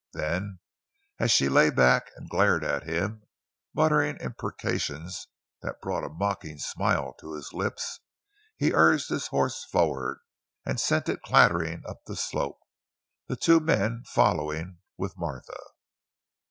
Then, as she lay back and glared at him, muttering imprecations that brought a mocking smile to his lips, he urged his horse forward, and sent it clattering up the slope, the two men following with Martha.